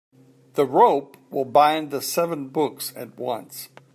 The rope will bind the seven books at once.